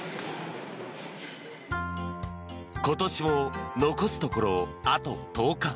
今年も残すところあと１０日。